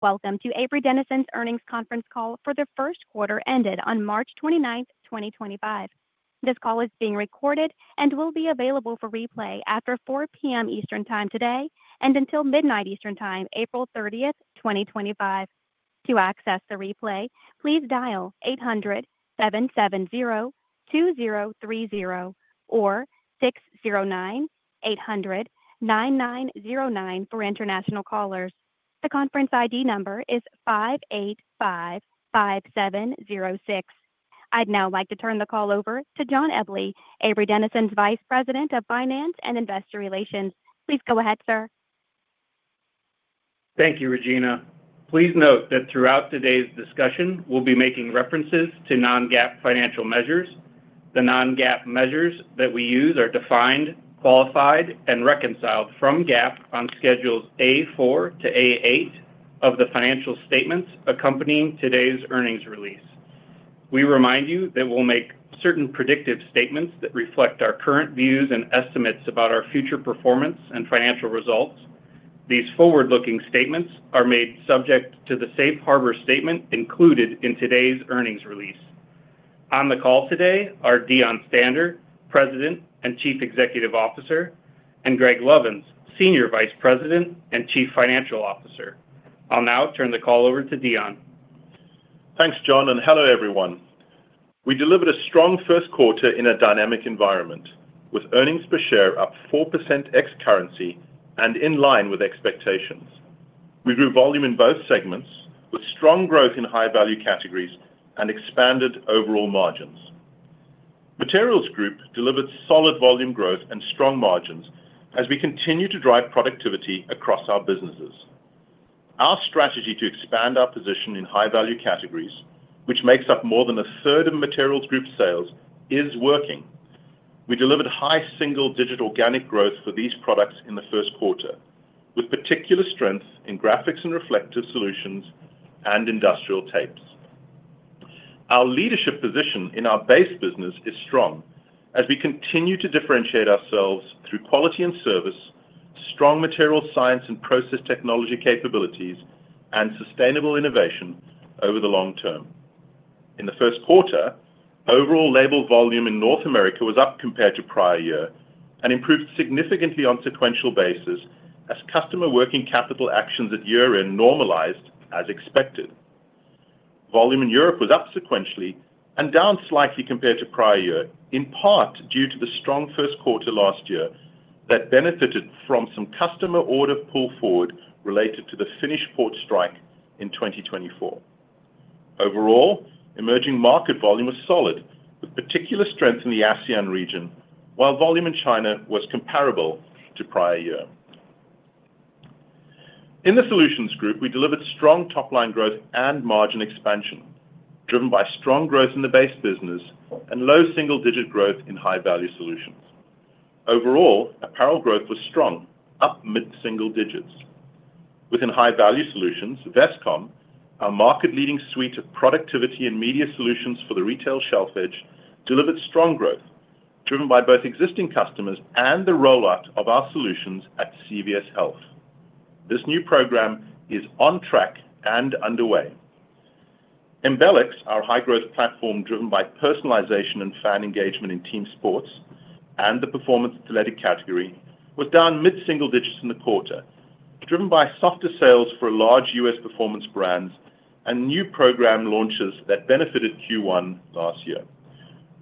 Welcome to Avery Dennison's Earnings Conference Call for the first quarter ended on 29 March 2025. This call is being recorded and will be available for replay after 4:00 P.M. Eastern Time today and until midnight Eastern Time, April 30th, 2025. To access the replay, please dial 800-770-2030 or 609-800-9909. For international callers, the conference ID number is 585-5706. I'd now like to turn the call over to John Eble, Avery Dennison's VP of Finance and Investor Relations. Please go ahead, sir. Thank you, Regina. Please note that throughout today's discussion we'll be making references to non-GAAP financial measures. The non-GAAP measures that we use are defined, qualified, and reconciled from GAAP on schedules A4 to A8 of the financial statements accompanying today's earnings release. We remind you that we'll make certain predictive statements that reflect our current views and estimates about our future performance and financial results. These forward-looking statements are made subject to the Safe Harbor Statement included in today's earnings release. On the call today are Deon Stander, President and Chief Executive Officer, and Greg Lovins, Senior Vice President and Chief Financial Officer. I'll now turn the call over to Deon. Thanks John and hello everyone. We delivered a strong first quarter in a dynamic environment with earnings per share up 4% ex-currency and in line with expectations. We grew volume in both segments with strong growth in high value categories and expanded overall margins. Materials Group delivered solid volume growth and strong margins as we continue to drive productivity across our businesses. Our strategy to expand our position in high value categories, which makes up more than a third of Materials Group sales, is working. We delivered high single digit organic growth for these products in the first quarter with particular strength in Graphics and Reflective Solutions and Industrial Tapes. Our leadership position in our base business is strong as we continue to differentiate ourselves through quality and service, strong material science and process technology capabilities, and sustainable innovation over the long term. In the first quarter, overall label volume in North America was up compared to prior year and improved significantly on sequential basis as customer working capital actions at year end normalized as expected. Volume in Europe was up sequentially and down slightly compared to prior year in part due to the strong first quarter last year that benefited from some customer order pull forward related to the Finnish port strike in 2024. Overall emerging market volume was solid with particular strength in the ASEAN region while volume in China was comparable to prior year. In the Solutions Group we delivered strong top line growth and margin expansion driven by strong growth in the base business and low single-digit growth in high value solutions. Overall apparel growth was strong, up mid-single digits within high value solutions. Vestcom, our market leading suite of productivity and media solutions for the retail shelf edge, delivered strong growth driven by both existing customers and the rollout of our solutions at CVS Health. This new program is on track and underway. Embelex, our high growth platform driven by personalization and fan engagement in team sports and the performance athletic category, was down mid single digits in the quarter driven by softer sales for large U.S. performance brands and new program launches that benefited Q1 last year.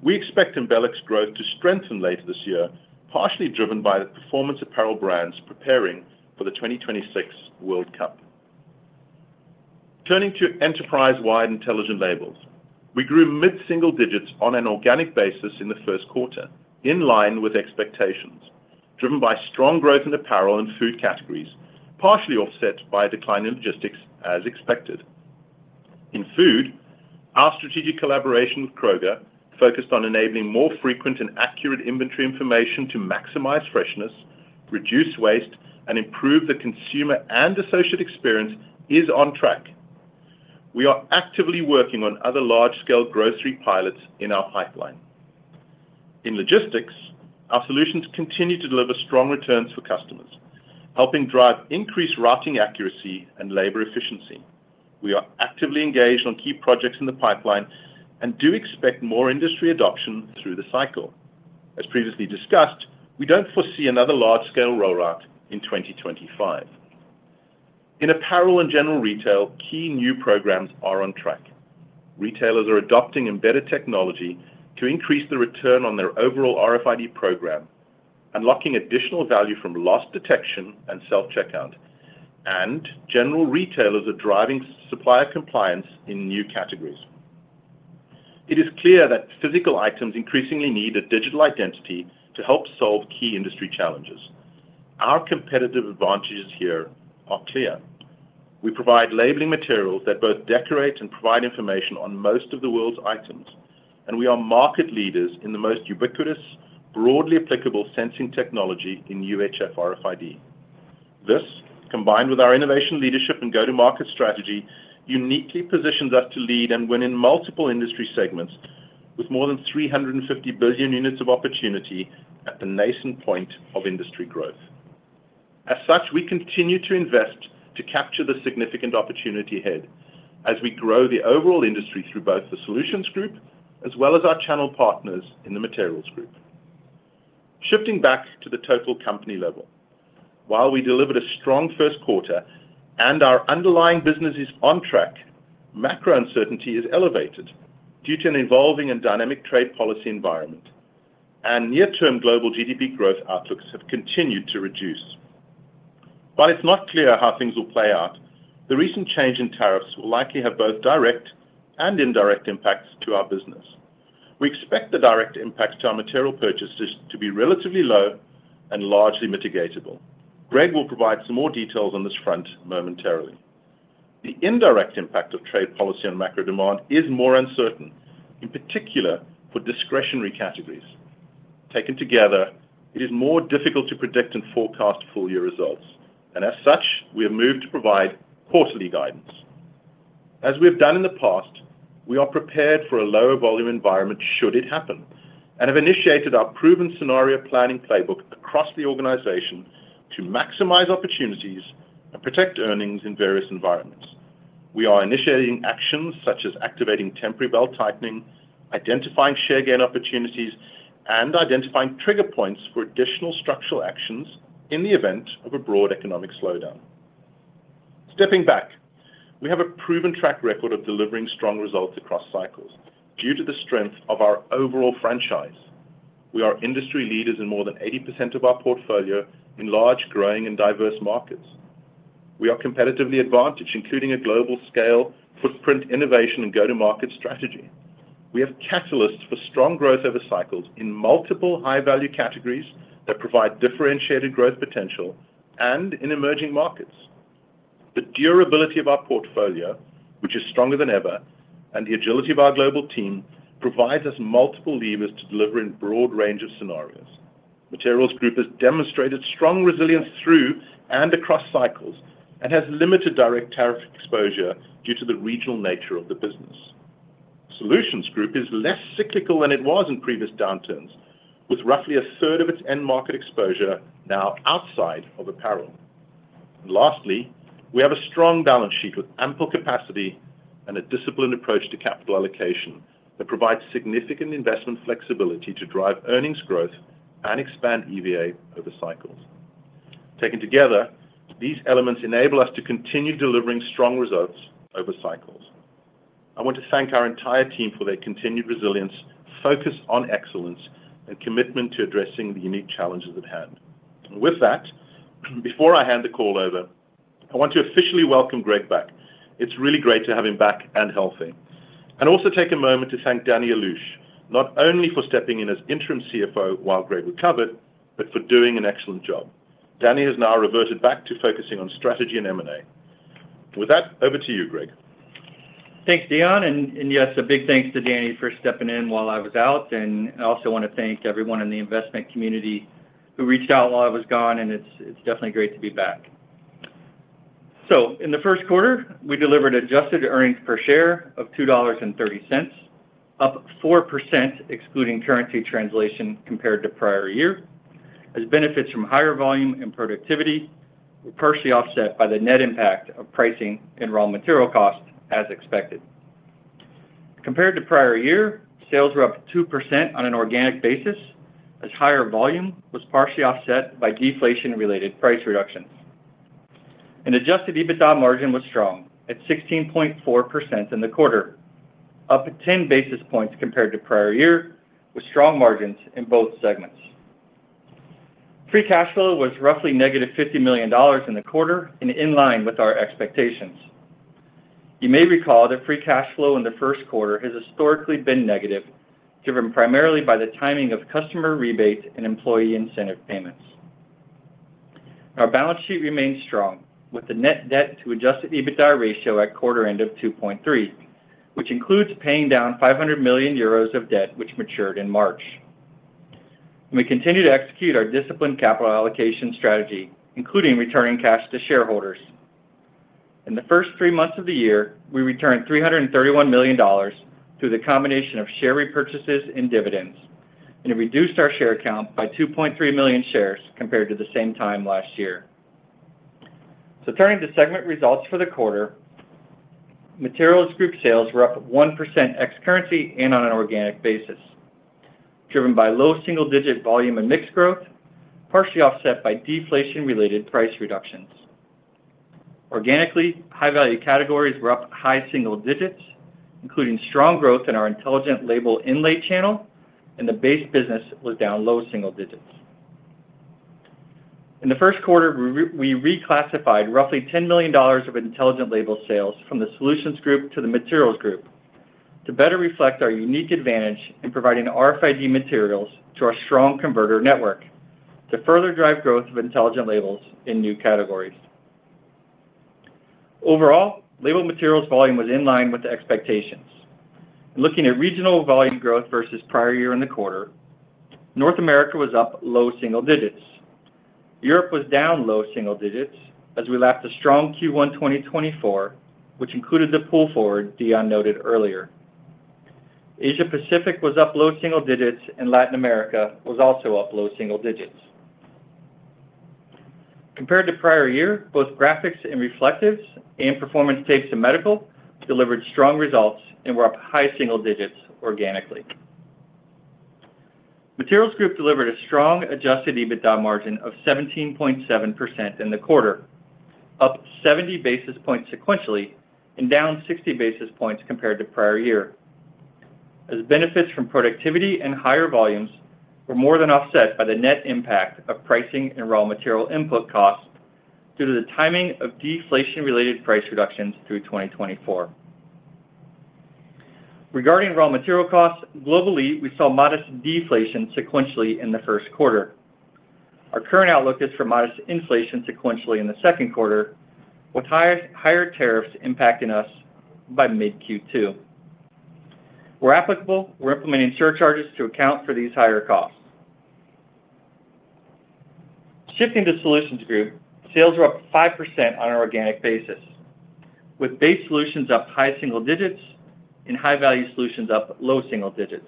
We expect Embelex growth to strengthen later this year, partially driven by the performance apparel brands preparing for the 2026 World Cup. Turning to enterprise wide Intelligent Labels, we grew mid single digits on an organic basis in the first quarter in line with expectations, driven by strong growth in apparel and food categories, partially offset by a decline in logistics as expected. In food, our strategic collaboration with Kroger focused on enabling more frequent and accurate inventory information to maximize freshness, reduce waste, and improve the consumer and associate experience is on track. We are actively working on other large scale grocery pilots in our pipeline. In logistics, our solutions continue to deliver strong returns for customers, helping drive increased routing accuracy and labor efficiency. We are actively engaged on key projects in the pipeline and do expect more industry adoption through the cycle. As previously discussed, we do not foresee another large scale rollout in 2025 in apparel and general retail. Key new programs are on track. Retailers are adopting embedded technology to increase the return on their overall RFID program, unlocking additional value from loss detection and self checkout, and general retailers are driving supplier compliance in new categories. It is clear that physical items increasingly need a digital identity to help solve key industry challenges. Our competitive advantages here are clear. We provide labeling materials that both decorate and provide information on most of the world's items, and we are market leaders in the most ubiquitous, broadly applicable sensing technology in UHF RFID. This, combined with our innovation, leadership, and go to market strategy, uniquely positions us to lead and win in multiple industry segments with more than 350 billion units of opportunity at the nascent point of industry growth. As such, we continue to invest to capture the significant opportunity ahead as we grow the overall industry through both the Solutions Group as well as our channel partners in the Materials Group. Shifting back to the total company level. While we delivered a strong first quarter and our underlying business is on track, macro uncertainty is elevated due to an evolving and dynamic trade policy environment and near term global GDP growth outlooks have continued to reduce. While it's not clear how things will play out, the recent change in tariffs will likely have both direct and indirect impacts to our business. We expect the direct impacts to our material purchases to be relatively low and largely mitigatable. Greg will provide some more details on this front momentarily. The indirect impact of trade policy on macro demand is more uncertain, in particular for discretionary categories. Taken together, it is more difficult to predict and forecast full year results and as such we have moved to provide quarterly guidance as we have done in the past. We are prepared for a lower volume environment should it happen and have initiated our proven scenario planning playbook across the organization to maximize opportunities and protect earnings in various environments. We are initiating actions such as activating temporary belt tightening, identifying share gain opportunities and identifying trigger points for additional structural actions in the event of a broad economic slowdown. Stepping back, we have a proven track record of delivering strong results across cycles due to the strength of our overall franchise. We are industry leaders in more than 80% of our portfolio. In large, growing and diverse markets we are competitively advantaged including a global scale footprint, innovation and go to market strategy. We have catalysts for strong growth over cycles in multiple high value categories that provide differentiated growth potential and in emerging markets. The durability of our portfolio, which is stronger than ever, and the agility of our global team provides us multiple levers to deliver in a broad range of scenarios. Materials Group has demonstrated strong resilience through and across cycles and has limited direct tariff exposure due to the regional nature of the business. Solutions Group is less cyclical than it was in previous downturns, with roughly a third of its end market exposure now outside of apparel. Lastly, we have a strong balance sheet with ample capacity and a disciplined approach to capital allocation that provides significant investment flexibility to drive earnings growth and expand EVA over cycles. Taken together, these elements enable us to continue delivering strong results over cycles. I want to thank our entire team for their continued resilience, focus on excellence and commitment to addressing the unique challenges at hand. With that, before I hand the call over, I want to officially welcome Greg back. It's really great to have him back and healthy and also take a moment to thank Danny Allouche not only for stepping in as interim CFO while Greg recovered, but for doing an excellent job. Danny has now reverted back to focusing on strategy and M&A. With that, over to you Greg. Thanks Deon, and yes, a big thanks to Danny for stepping in while I was out, and I also want to thank everyone in the investment community who reached out while I was gone. It is definitely great to be back. In the first quarter, we delivered adjusted earnings per share of $2.30, up 4% excluding currency translation compared to prior year, as benefits from higher volume and productivity were partially offset by the net impact of pricing and raw material cost, as expected. Compared to prior year, sales were up 2% on an organic basis, as higher volume was partially offset by deflation related price reductions. Adjusted EBITDA margin was strong at 16.4% in the quarter, up 10 basis points compared to prior year, with strong margins in both segments. Free cash flow was roughly -$50 million in the quarter and in line with our expectations. You may recall that free cash flow in the first quarter has historically been negative, driven primarily by the timing of customer rebates and employee incentive payments. Our balance sheet remains strong with the net debt to adjusted EBITDA ratio at quarter end of 2.3, which includes paying down 500 million euros of debt which matured in March. We continue to execute our disciplined capital allocation strategy including returning cash to shareholders. In the first three months of the year, we returned $331 million through the combination of share repurchases and dividends and reduced our share count by 2.3 million shares compared to the same time last year. Turning to segment results for the quarter, Materials Group sales were up 1% ex-currency and on an organic basis driven by low single-digit volume and mix growth, partially offset by deflation-related price reductions. Organically, high-value categories were up high single digits, including strong growth in our Intelligent Labels Inlay channel, and the base business was down low single digits in the first quarter. We reclassified roughly $10 million of Intelligent Labels sales from the Solutions Group to the Materials Group to better reflect our unique advantage in providing RFID materials to our strong converter network to further drive growth of Intelligent Labels in new categories. Overall, Label materials volume was in line with the expectations. Looking at regional volume growth versus prior year, in the quarter, North America was up low single digits. Europe was down low single digits as we lapped a strong Q1 2024 which included the pull forward Deon noted earlier. Asia Pacific was up low single digits and Latin America was also up low single digits compared to prior year. Both Graphics and Reflectives and Performance Tapes in Medical delivered strong results and were up high single digits. Organically, Materials Group delivered a strong adjusted EBITDA margin of 17.7% in the quarter, up 70 basis points sequentially and down 60 basis points compared to prior year as benefits from productivity and higher volumes were more than offset by the net impact of pricing and raw material input costs due to the timing of deflation related price reductions through 2024. Regarding raw material costs globally, we saw modest deflation sequentially in the first quarter. Our current outlook is for modest inflation sequentially in the second quarter with higher tariffs impacting us by mid-Q2. Where applicable, we're implementing surcharges to account for these higher costs. Shifting to Solutions Group, sales were up 5% on an organic basis with Base Solutions up high single digits and High Value Solutions up low single digits.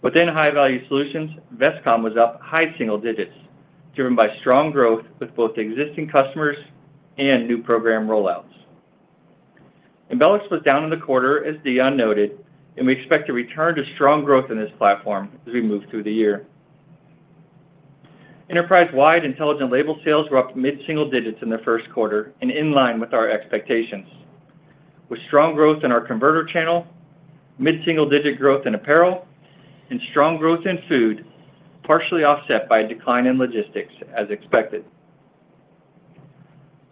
Within High Value Solutions, Vestcom was up high single digits driven by strong growth with both existing customers and new program rollouts. Embelex was down in the quarter as Deon noted and we expect to return to strong growth in this platform as we move through the year. Enterprise Wide Intelligent Label sales were up mid single digits in the first quarter and in line with our expectations with strong growth in our converter channel, mid single digit growth in apparel and strong growth in food partially offset by a decline in logistics. As expected,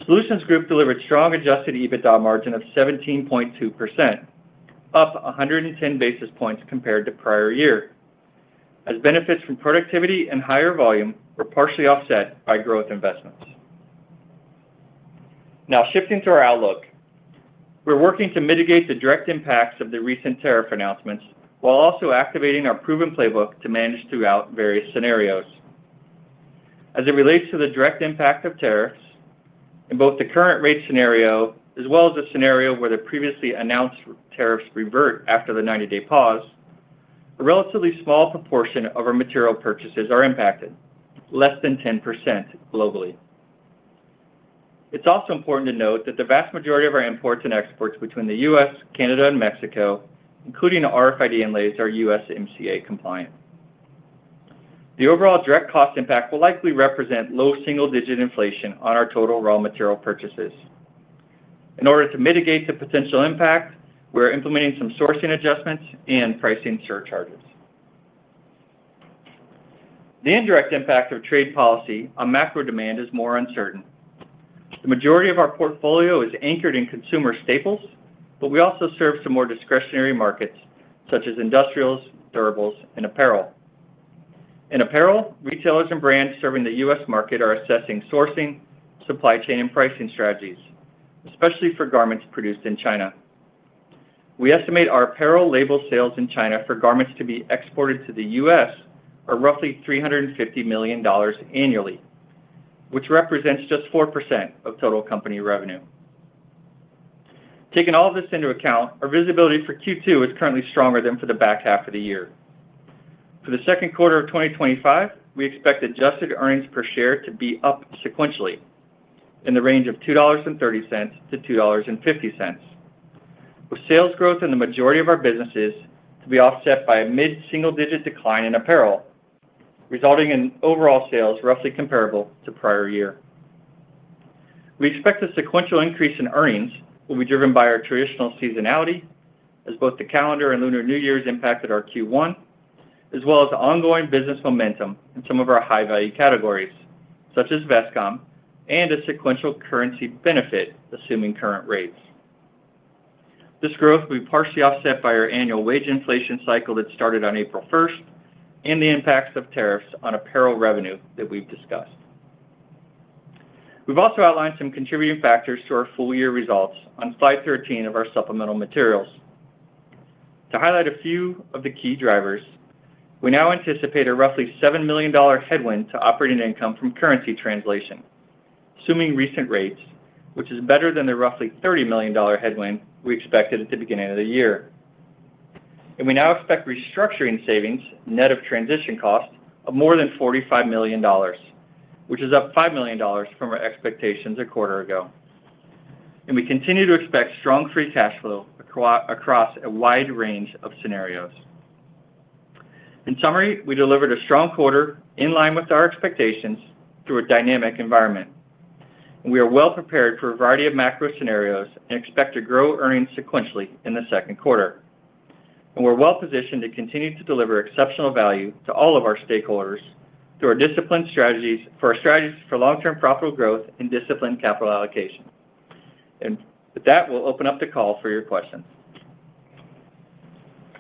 Solutions Group delivered strong adjusted EBITDA margin of 17.2%, up 110 basis points compared to prior year as benefits from productivity and higher volume were partially offset by growth investments. Now shifting to our outlook, we're working to mitigate the direct impacts of the recent tariff announcements while also activating our proven playbook to manage throughout various scenarios as it relates to the direct impact of tariffs. In both the current rate scenario as well as the scenario where the previously announced tariffs revert after the 90 day pause, a relatively small proportion of our material purchases are impacted, less than 10% globally. It's also important to note that the vast majority of our imports and exports between the U.S., Canada and Mexico, including RFID inlays, are USMCA compliant. The overall direct cost impact will likely represent low single-digit inflation on our total raw material purchases. In order to mitigate the potential impact, we are implementing some sourcing adjustments and pricing surcharges. The indirect impact of trade policy on macro demand is more uncertain. The majority of our portfolio is anchored in consumer staples, but we also serve some more discretionary markets such as industrials, durables and apparel. In apparel, retailers and brands serving the U.S. market are assessing sourcing, supply chain and pricing strategies, especially for garments produced in China. We estimate our apparel label sales in China for garments to be exported to the U.S. are roughly $350 million annually, which represents just 4% of total company revenue. Taking all of this into account, our visibility for Q2 is currently stronger than for the back half of the year. For the second quarter of 2025, we expect adjusted earnings per share to be up sequentially in the range of $2.30-$2.50, with sales growth in the majority of our businesses to be offset by a mid single digit decline in apparel, resulting in overall sales roughly comparable to prior year. We expect the sequential increase in earnings will be driven by our traditional seasonality as both the calendar and lunar New Year impacted our Q1, as well as ongoing business momentum in some of our high value categories such as Vestcom and a sequential currency benefit. Assuming current rates, this growth will be partially offset by our annual wage inflation cycle that started on April 1st and the impacts of tariffs on apparel revenue that we've discussed. We've also outlined some contributing factors to our full year results on Slide 13 of our supplemental materials to highlight a few of the key drivers. We now anticipate a roughly $7 million headwind to operating income from currency translation, assuming recent rates, which is better than the roughly $30 million headwind we expected at the beginning of the year. We now expect restructuring savings net of transition cost of more than $45 million, which is up $5 million from our expectations a quarter ago. We continue to expect strong free cash flow across a wide range of scenarios. In summary, we delivered a strong quarter in line with our expectations through a dynamic environment. We are well prepared for a variety of macro scenarios and expect to grow earnings sequentially in the second quarter. We are well positioned to continue to deliver exceptional value to all of our stakeholders through our disciplined strategies for long term profitable growth and disciplined capital allocation. With that, we will open up the call for your questions.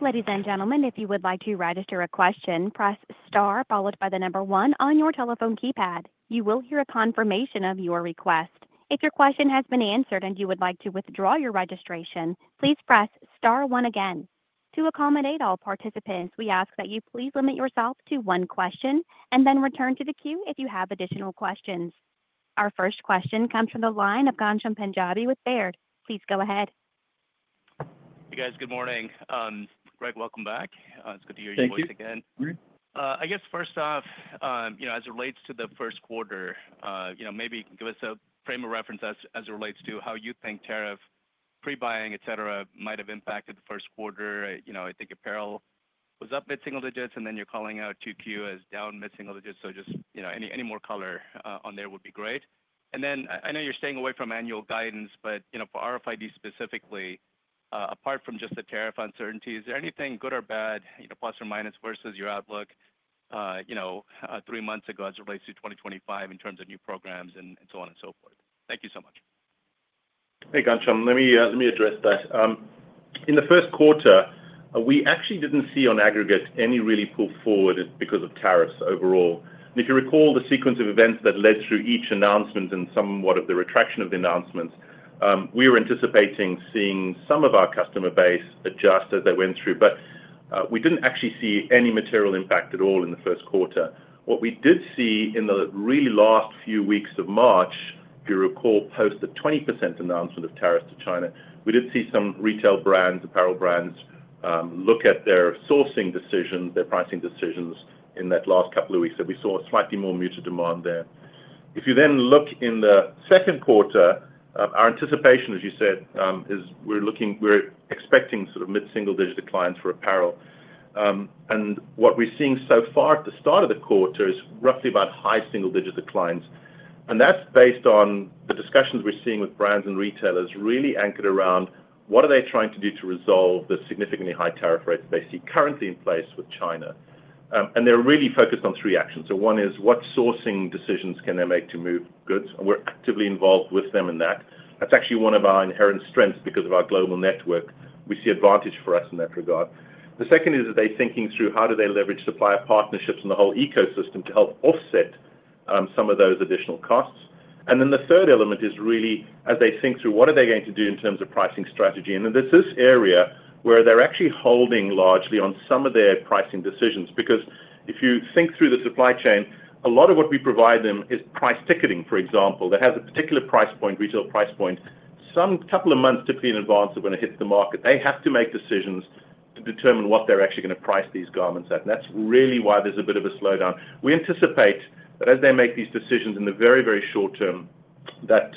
Ladies and gentlemen, if you would like to register a question, press star followed by the number one on your telephone keypad. You will hear a confirmation of your request. If your question has been answered and you would like to withdraw your registration, please press star one again. To accommodate all participants, we ask that you please limit yourself to one question and then return to the queue if you have additional questions. Our first question comes from the line of Ghansham Panjabi with Baird. Please go ahead. Hey guys. Good morning Greg. Welcome back. It's good to hear your voice again, I guess. First off, you know, as it relates. To the first quarter, you know, maybe give us a frame of reference as it relates to how you think tariff, pre buying, etcetera might have impacted the first quarter. You know, I think apparel was up mid-single digits and then you're calling out Q2 is down mid-single digits. Just, you know, any more color on there would be great. I know you're staying away. From annual guidance, but you know, for RFID specifically, apart from just the tariff uncertainty, is there anything good or bad, you know, plus or minus versus your. Outlook, you know, three months ago as. It relates to 2025 in terms of new programs and so on and so forth? Thank you so much. Hey Ghansham, let me address that. In the first quarter we actually didn't see on aggregate any really pull forward because of tariffs overall. If you recall the sequence of events that led through each announcement and somewhat of the retraction of the announcements, we were anticipating seeing some of our customer base adjust as they went through, but we didn't actually see any material impact at all in the first quarter. What we did see in the really last few weeks of March, if you recall, post the 20% announcement of tariffs to China, we did see some retail brands, apparel brands, look at their sourcing decisions, their pricing decisions in that last couple of weeks that we saw slightly more muted demand there. If you then look in the second quarter, our anticipation as you said, is we're looking, we're expecting sort of mid-single digit declines for apparel. What we're seeing so far at the start of the quarter is roughly about high-single digit declines. That's based on the discussions we're seeing with brands and retailers really anchored around what are they trying to do to resolve the significantly high tariff rates they see currently in place with China. They're really focused on three actions. One is what sourcing decisions can they make to move goods. We're actively involved with them in that. That's actually one of our inherent strengths. Because of our global network, we see advantage for us in that regard. The second is that they're thinking through how do they leverage supplier partnerships in the whole ecosystem to help offset some of those additional costs. The third element is really as they think through what are they going to do in terms of pricing strategy. This is an area where they're actually holding largely on some of their pricing decisions. If you think through the supply chain, a lot of what we provide them is price ticketing, for example, that has a particular price point, retail price point, some couple of months typically in advance of when it hits the market. They have to make decisions to determine what they're actually going to price these garments at. That's really why there's a bit of a slowdown. We anticipate that as they make these decisions in the very, very short term that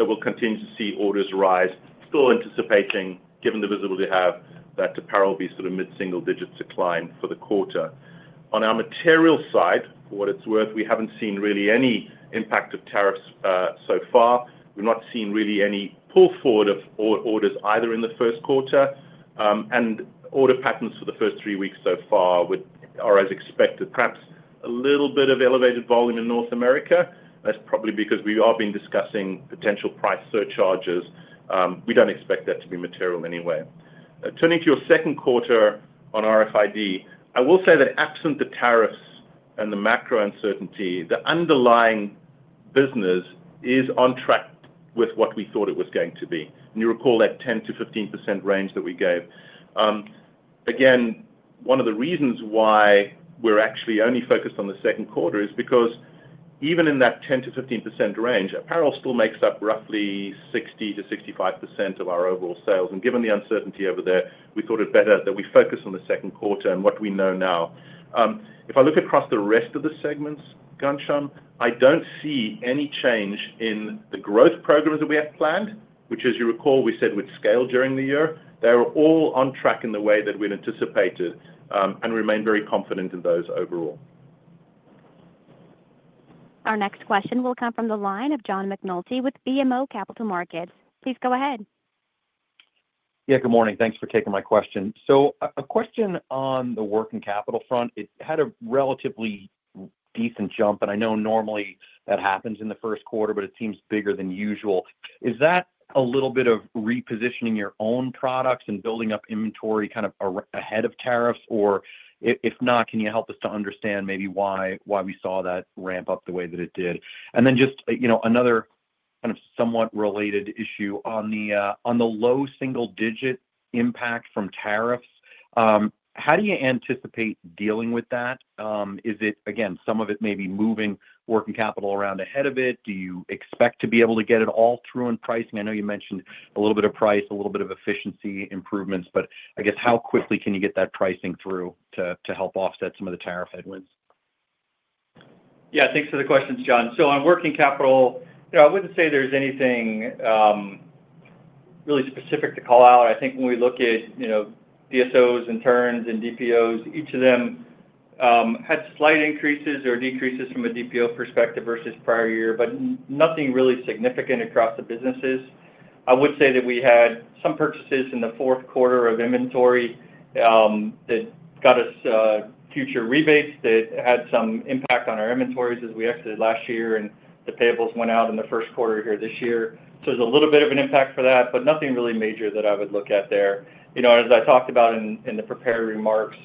we'll continue to see orders rise. Still anticipating, given the visibility, to have that apparel be sort of mid single digits decline for the quarter. On our material side, for what it's worth, we haven't seen really any impact of tariffs so far. We've not seen really any pull forward of orders either in the first quarter and order patterns for the first three weeks so far, as expected. Perhaps a little bit of elevated volume in North America. That's probably because we are discussing potential price surcharges. We don't expect that to be material. Anyway, turning to your second quarter on RFID, I will say that absent the tariffs and the macro uncertainty, the underlying business is on track with what we thought it was going to be. You recall that 10%-15% range that we gave? Again, one of the reasons why we're actually only focused on the second quarter is because even in that 10%-15% range, apparel still makes up roughly 60%-65% of our overall sales. Given the uncertainty over there, we thought it better that we focus on the second quarter and what we know now. If I look across the rest of the segments, Ghansham, I don't see any change in the growth programs that we have planned, which as you recall we said would scale during the year. They were all on track in the way that we'd anticipated and remain very confident in those overall. Our next question will come from the line of John McNulty with BMO Capital Markets. Please go ahead. Yeah, good morning. Thanks for taking my question. A question on the working capital front. It had a relatively decent jump and I know normally that happens in the first quarter, but it seems bigger than usual. Is that a little bit of repositioning your own products and building up inventory kind of ahead of tariffs? If not, can you help us to understand maybe why we saw that ramp up the way that it did? Just another somewhat related issue on the low-single digit impact from tariffs. How do you anticipate dealing with that? Is it again, some of it maybe moving working capital around ahead of it? Do you expect to be able to get it all through in pricing? I know you mentioned a little bit of price, a little bit of efficiency improvements, but I guess how quickly can you get that pricing through to help offset some of the tariff headwinds? Yeah, thanks for the questions, John. On working capital, I would not say there is anything really specific to call out. I think when we look at, you know, DSOs and TURNS and DPOs, each of them had slight increases or decreases from a DPO perspective versus prior year, but nothing really significant across the businesses. I would say that we had some purchases in the fourth quarter of inventory that got us future rebates that had some impact on our inventories as we exited last year and the payables went out in the first quarter here this year. There's a little bit of an impact for that, but nothing really major that I would look at there. You know, as I talked about in the prepared remarks,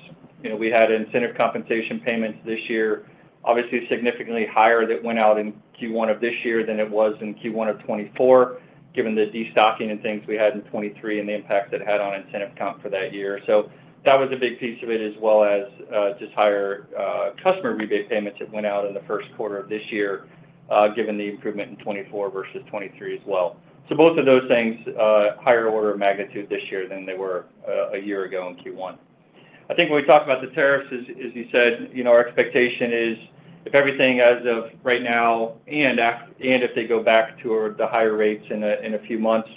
you know, we had incentive compensation payments this year obviously significantly higher that went out in Q1 of this year than it was in Q1 of 2024 given the destocking and things we had in 2023 and the impact that had on incentive comp for that year. That was a big piece of it. As well as just higher customer rebate payments that went out in the first quarter of this year given the improvement in 2024 versus 2023 as well. Both of those things higher order of magnitude this year than they were a year ago in Q1. I think when we talk about the tariffs, as you said, you know, our expectation is if everything as of right now and if they go back to the higher rates in a few months,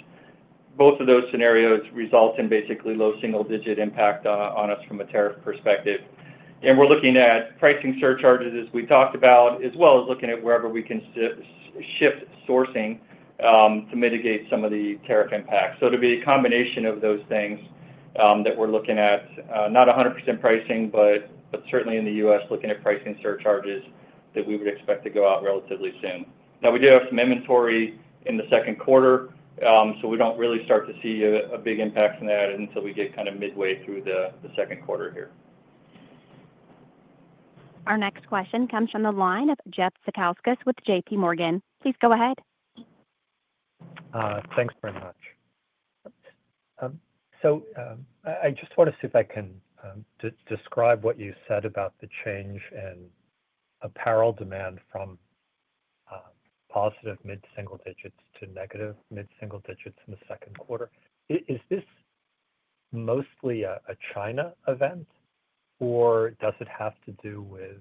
both of those scenarios result in basically low single digit impact on us from a tariff perspective. We're looking at pricing surcharges as we talked about, as well as looking at wherever we can shift sourcing to mitigate some of the tariff impacts. It will be a combination of those things that we're looking at, not 100% pricing, but certainly in the U.S. looking at pricing surcharges that we would expect to go out relatively soon. Now we do have some inventory in the second quarter, so we do not really start to see a big impact from that until we get kind of midway through the second quarter here. Our next question comes from the line of Jeff Zekauskas with JPMorgan. Please go ahead. Thanks very much. I just want to see if I can describe what you said about the change in apparel demand from positive mid single digits to negative mid single digits in the second quarter. Is this mostly a China event or does it have to do with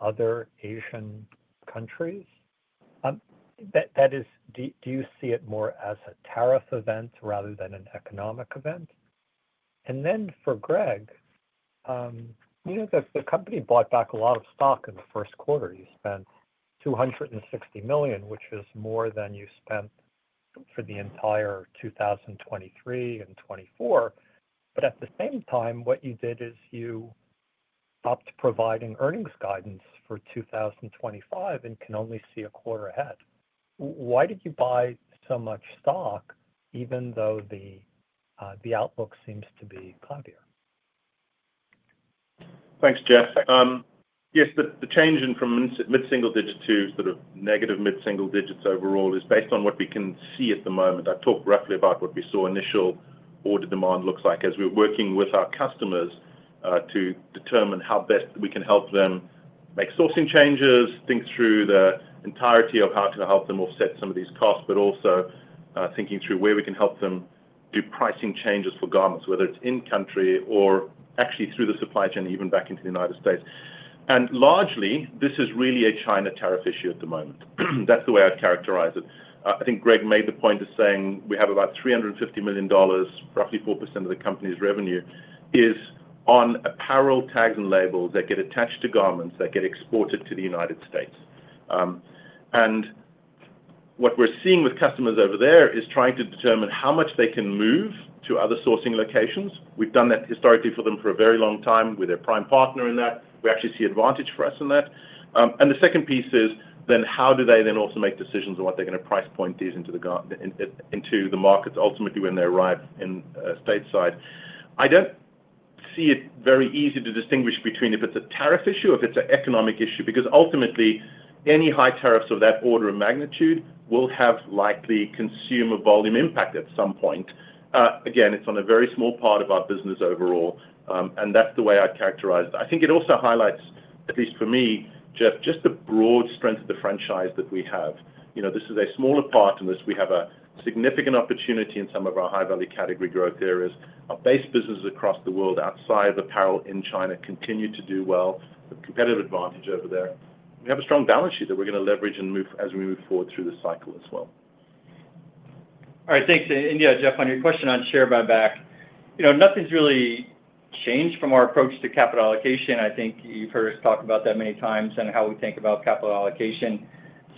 other Asian countries? That is, do you see it more as a tariff event rather than an economic event? For Greg, you know, the company bought back a lot of stock in the first quarter. You spent $260 million, which is more than you spent for the entire 2023 and 2024. At the same time, what you did is you stopped providing earnings guidance for 2025 and can only see a quarter ahead. Why did you buy so much stock even though the outlook seems to be cloudier. Thanks, Jeff. Yes, the change in from mid-single digit to sort of negative mid-single digits overall is based on what we can see at the moment. I talked roughly about what we saw initial order demand looks like as we're working with our customers to determine how best we can help them make sourcing changes. Think through the entirety of how can I help them offset some of these costs, but also thinking through where we can help them do pricing changes for garments, whether it's in country or actually through the supply chain, even back into the United States. Largely this is really a China tariff issue at the moment. That's the way I characterize it. I think Greg made the point of saying we have about $350 million. Roughly 4% of the company's revenue is on apparel tags and labels that get attached to garments that get exported to the United States. What we're seeing with customers over there is trying to determine how much they can move to other sourcing locations. We've done that historically for them for a very long time with their prime partner in that we actually see advantage for us in that. The second piece is how do they then also make decisions on what they're going to price point these into the markets ultimately when they arrive stateside? I don't see it very easy to distinguish between if it's a tariff issue or if it's an economic issue because ultimately any high tariffs of that order of magnitude will have likely consumer volume impact at some point. Again, it's on a very small part of our business overall and that's the way I characterize it. I think it also highlights, at least for me, Jeff, just the broad strength of the franchise that we have. You know, this is a smaller part in this. We have a significant opportunity in some of our high value category growth areas. Our base businesses across the world outside of apparel index China continue to do well. Competitive advantage over there. We have a strong balance sheet that we're going to leverage and move as we move forward through the cycle as well. All right, thanks,. Jeff, on your question on share buyback, nothing's really changed from our approach to capital allocation. I think you've heard us talk about that many times and how we think about capital allocation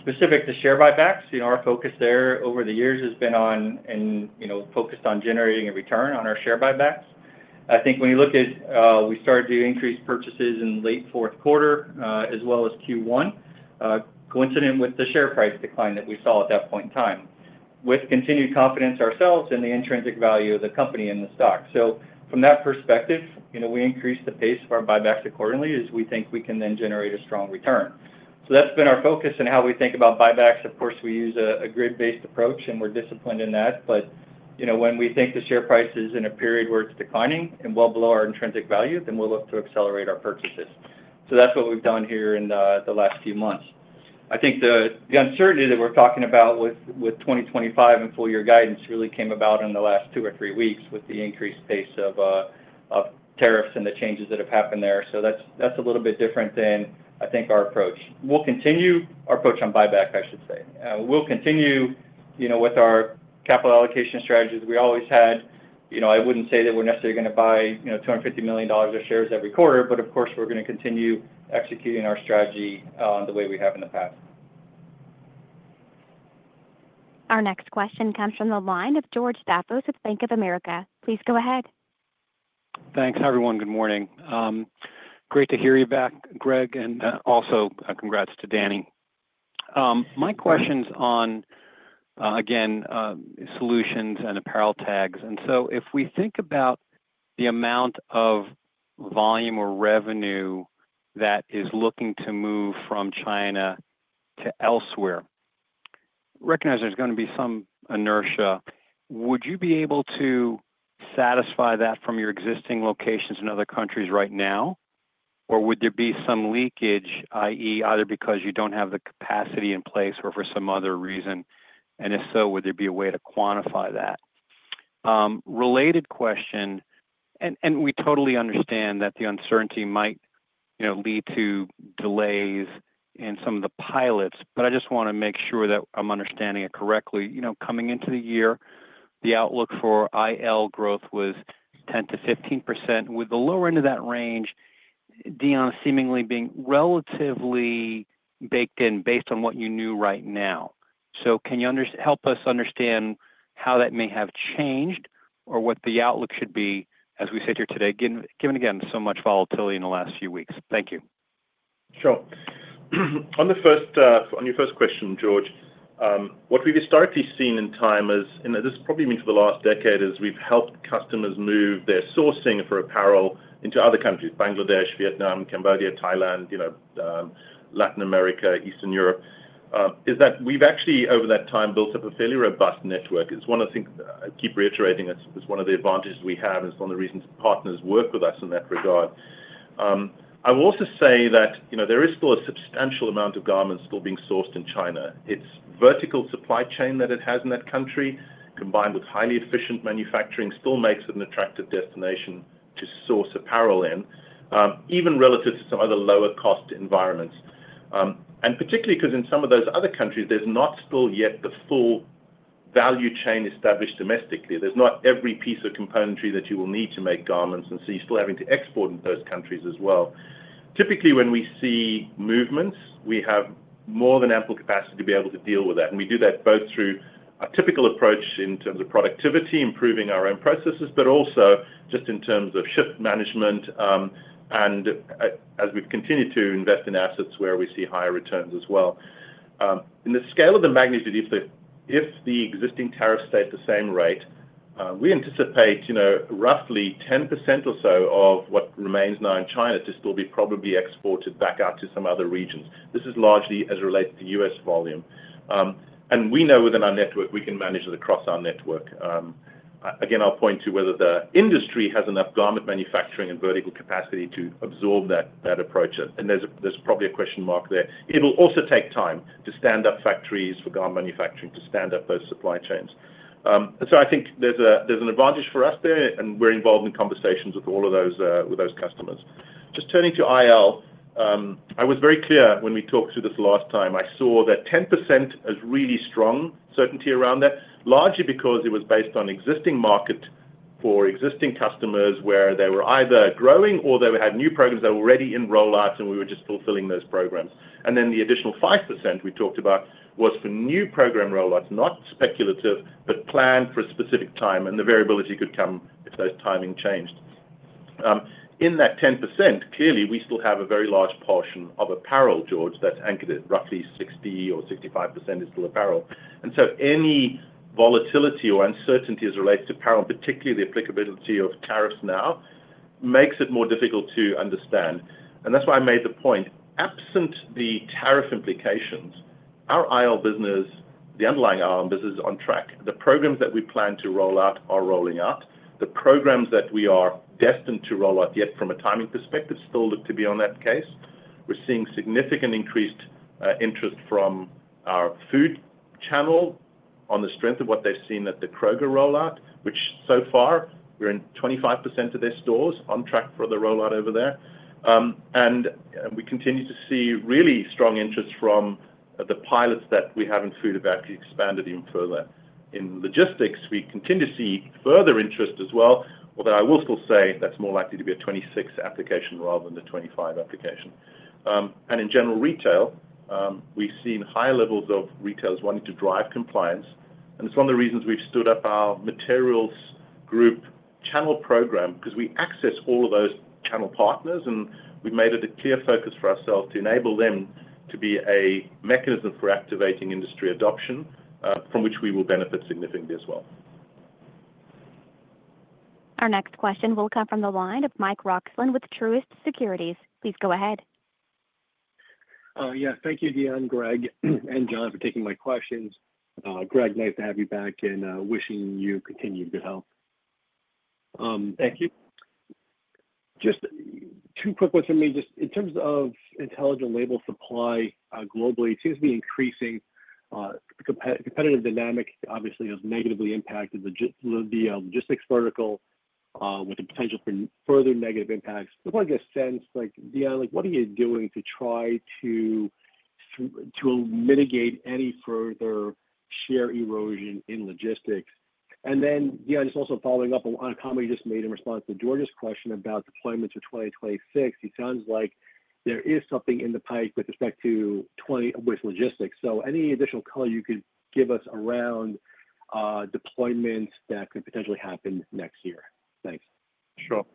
specific to share buybacks. Our focus there over the years has been on, and you know, focused on generating a return on our share buybacks. I think when you look at, we started to increase purchases in late fourth quarter as well as Q1 coincident with the share price decline that we saw at that point in time with continued confidence ourselves in the intrinsic value of the company and the stock. From that perspective, we increase the pace of our buybacks accordingly as we think we can then generate a strong return. That's been our focus and how we think about buybacks. Of course we use a grid based approach and we're disciplined in that. You know, when we think the share price is in a period where it's declining and well below our intrinsic value, then we'll look to accelerate our purchases. That's what we've done here in the last few months. I think the uncertainty that we're talking about with 2025 and full year guidance really came about in the last two or three weeks with the increased pace of tariffs and the changes that have happened there. That's a little bit different than I think our approach. You know, we'll continue our approach on buyback. I should say we'll continue with our capital allocation strategies we always had. I wouldn't say that we're necessarily going to buy $250 million of shares every quarter, but of course we're going to continue executing our strategy the way we. Have in the past. Our next question comes from the line of George Staphos with Bank of America. Please go ahead. Thanks everyone. Good morning. Great to hear you back, Greg. And also congrats to Danny. My question's on again. Solutions and apparel tags. If we think about the amount of volume or revenue that is looking to move from China to elsewhere, recognize there's going to be some inertia. Would you be able to satisfy that from your existing locations in other countries right now or would there be some leakage that is either because you don't have the capacity in place or for some other reason and if so, would there be a way to quantify that? Related question, we totally understand that the uncertainty might lead to delays in some of the pilots. I just want to make sure that I'm understanding it correctly. You know, coming into the year, the outlook for IL growth was 10-15% with the lower end of that range, Deon, seemingly being relatively baked in based on what you knew right now. Can you help us understand how that may have changed or what the outlook should be as we sit here today, given again so much volatility in the last few weeks? Thank you. Sure. On your first question, George, what we've historically seen in time is, and this probably means the last decade, is we've helped customers move their sourcing for apparel into other countries. Bangladesh, Vietnam, Cambodia, Thailand, Latin America, Eastern Europe. We've actually over that time built up a fairly robust network. It's one of the things I keep reiterating. It's one of the advantages we have and some of the reasons partners work with us in that regard. I will also say that there is still a substantial amount of garments still being sourced in China. Its vertical supply chain that it has in that country combined with highly efficient manufacturing still makes it an attractive destination to source apparel in, even relative to some other lower cost environments. Particularly because in some of those other countries there's not still yet the full value chain established domestically. There's not every piece of componentry that you will need to make garments. You are still having to export in those countries as well. Typically when we see movements, we have more than ample capacity to be able to deal with that. We do that both through a typical approach in terms of productivity, improving our own processes, but also just in terms of shift management and as we continue to invest in assets where we see higher returns as well in the scale of the magnitude. If the existing tariffs stay at the same rate, we anticipate, you know, roughly 10% or so of what remains now in China to still be probably exported back out to some other regions. This is largely as it relates to U.S. volume and we know within our network we can manage it across our network. Again, I'll point to whether the industry has enough garment manufacturing and vertical capacity to absorb that approach. There's probably a question mark there. It will also take time to stand up factories for garment manufacturing to stand up those supply chains. I think there's an advantage for us there and we're involved in conversations with all of those customers. Just turning to IL, I was very clear when we talked through this last time. I saw that 10% is really strong certainty around that, largely because it was based on existing market for existing customers where they were either growing or they had new programs that were already in rollouts. We were just fulfilling those programs. The additional 5% we talked about was for new program rollouts, not speculative, but planned for a specific time. The variability could come if those timing changed in that 10%. Clearly we still have a very large portion of apparel, George, that's anchored at roughly 60-65% is still apparel. Any volatility or uncertainty as it relates to apparel, particularly the applicability of tariffs, now makes it more difficult to understand. That is why I made the point. Absent the tariff implications, our IL business, the underlying IL business, is on track. The programs that we plan to roll out are rolling out, the programs that we are destined to roll out, yet from a timing perspective, still look to be on that case. We're seeing significant increased interest from our food channel on the strength of what they've seen at the Kroger rollout, which so far we're in 25% of their stores on track for the rollout over there. We continue to see really strong interest from the pilots that we have in Food about you expanded even further in logistics, we continue to see further interest as well, although I will still say that's more likely to be a 2026 application rather than the 2025 application. In general retail, we've seen higher levels of retailers wanting to drive compliance. It's one of the reasons we've stood up our Materials Group channel program because we access all of those channel partners and we've made it a clear focus for ourselves to enable them to be a mechanism for activating industry adoption from which we will benefit significantly as well. Our next question will come from the line of Mike Roxland with Truist Securities. Please go ahead. Yeah, thank you, Deon, Greg and John for taking my questions. Greg, nice to have you back and wishing you continued good health. Thank you. Just two quick ones for me. Just in terms of Intelligent Labels supply globally, it seems to be increasing competitive dynamic obviously has negatively impacted the logistics vertical with the potential for further negative impacts. Just like a sense like. Yeah, like what are you doing to try to. To mitigate any further share erosion in logistics? And then. Yeah, just also following up on a comment you just made in response to George's question about deployments for 2026. It sounds like there is something in the pike with respect to 2026 with logistics. Any additional color you could give us around deployments that could potentially happen next year? Thanks. Sure.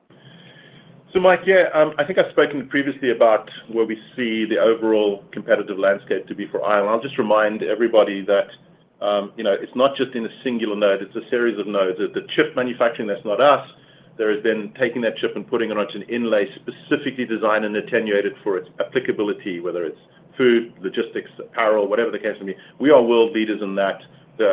Mike, yeah, I think I've spoken previously about where we see the overall competitive landscape to be for RFID. I'll just remind everybody that, you know, it's not just in a singular node, it's a series of nodes. The chip manufacturing, that's not us, there has been taking that chip and putting it onto an inlay specifically designed and attenuated for its applicability. Whether it's food, logistics, apparel, whatever the case may be. We are world leaders in that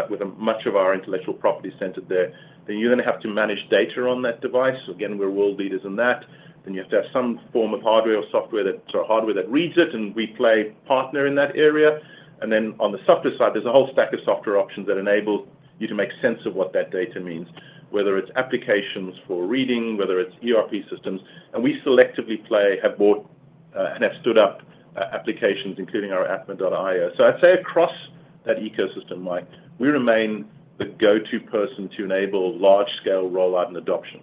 with much of our intellectual property centered there. You are going to have to manage data on that device. Again, we're world leaders in that. You have to have some form of hardware or software, that hardware that reads it, and we play partner in that area. On the software side, there is a whole stack of software options that enable you to make sense of what that data means, whether it is applications for reading, whether it is ERP systems. We selectively play, have bought and have stood up applications, including our atma.io. I would say across that ecosystem, Mike, we remain the go-to person to enable large-scale rollout and adoption.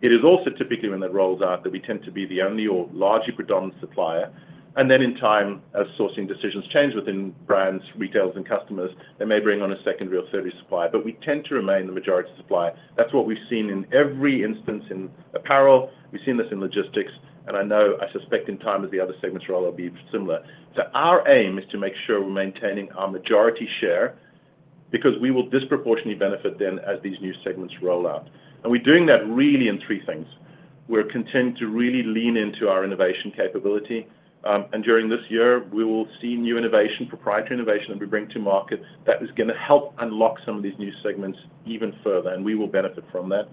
It is also typically when that rolls out that we tend to be the only or largely predominant supplier. In time, as sourcing decisions change within brands, retailers and customers, they may bring on a secondary or third supplier, but we tend to remain the majority supplier. That is what we have seen in every instance in apparel. We have seen this in logistics and I know, I suspect in time as the other segments are all be similar. Our aim is to make sure we're maintaining our majority share because we will disproportionately benefit then as these new segments roll out. We're doing that really in three things. We're continuing to really lean into our innovation capability. During this year we will see new innovation, proprietary innovation that we bring to market that is going to help unlock some of these new segments even further. We will benefit from that.